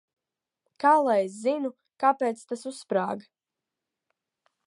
Kā lai es zinu, kāpēc tas uzsprāga?